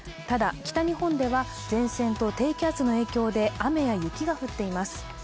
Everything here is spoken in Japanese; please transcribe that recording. ただ、北日本では前線と低気圧の影響で雨や雪が降っています。